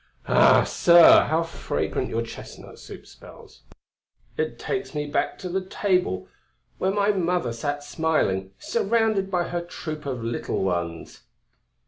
Ah! sir, how fragrant your chestnut soup smells! It takes me back to the table where my mother sat smiling, surrounded by her troop of little ones."